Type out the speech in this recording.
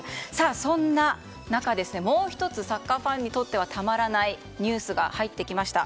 そんな中、もう１つサッカーファンにたまらないニュースが入ってきました。